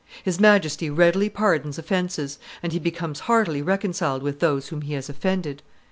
His Majesty readily pardons offences; and he becomes heartily reconciled with those whom he has offended."